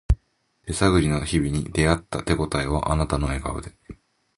手探りの日々に出会った手ごたえはあなたの笑顔で